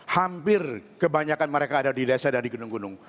hampir kebanyakan mereka ada di desa dan di gunung gunung